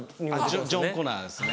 ジョン・コナーですね。